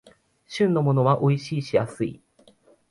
旬のものはおいしいし安い